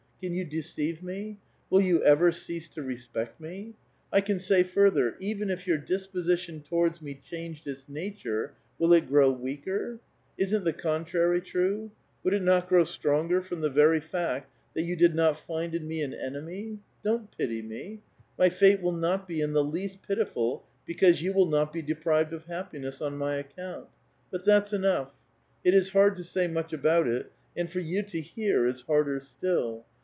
Can you deceive me? Will you ever oease to rospect me? I can say further : even if your dispo sition towards me changed its nature, will it grow weaker? Isn't the contrary' time? would it not grow stronger from the Very fact that you did not find in me an enemy? Don't pity 1Q ; my fate will not be in the least pitiful because you '^^ill not be deprived of happiness on my account. But that's enough. It is hard to say much about it, and for you to i^^ar is harder still.